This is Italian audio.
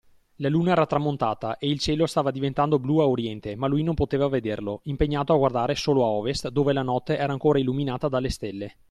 La Luna era tramontata e il cielo stava diventando blu a Oriente, ma lui non poteva vederlo, impegnato a guardare solo a Ovest, dove la notte era ancora illuminata dalle stelle.